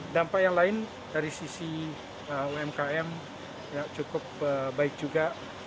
dampak yang lain dari sisi umkm cukup baik juga